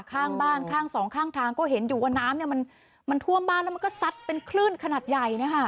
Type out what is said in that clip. ข้างบ้านข้างสองข้างทางก็เห็นอยู่ว่าน้ำเนี่ยมันท่วมบ้านแล้วมันก็ซัดเป็นคลื่นขนาดใหญ่นะคะ